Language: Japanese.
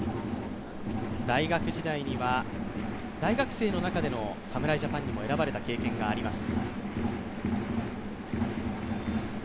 大学時代には、大学生の中での侍ジャパンにも選ばれた経験があります。